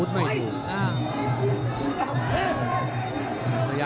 ต้องเต็มข่าวเร็ว